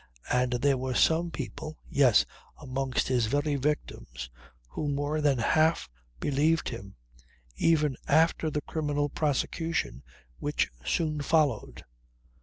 And there were some people (yes, amongst his very victims) who more than half believed him, even after the criminal prosecution which soon followed.